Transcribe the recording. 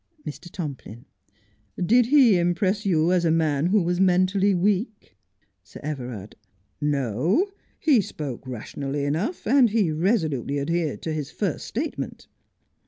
Mr. Tomplin: Did he impress you as a man who was mentally weak 1 Sir Everard : No. He spoke rationally enough, and he resolutely adhered to his first statement.